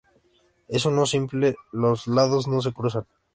En uno simple los lados no se cruzan.